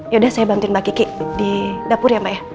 yaudah saya bantuin mbak kiki di dapur ya mbak ya